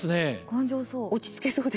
頑丈そう。